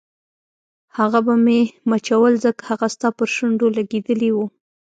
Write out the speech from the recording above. هغه به مې مچول ځکه هغه ستا پر شونډو لګېدلي وو.